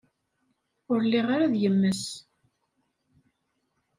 Ur lliɣ ara d yemma-s.